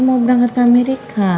mau berangkat ke amerika